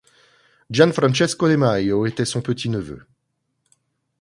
Gian Francesco de Majo était son petit-neveu.